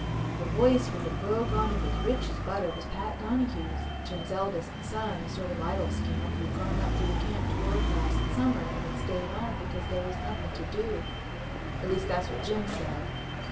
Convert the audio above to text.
The voice, with a brogue on it as rich as butter, was Pat Donahue's, Jim's eldest son, a sort of idle scamp, who'd gone up to the camp to work last summer and had stayed on because there was nothing to do—at least that's what Jim said.